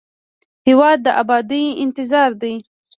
هېواد د ابادۍ انتظار دی.